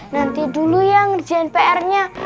nanti dulu yang ngerjain pr nya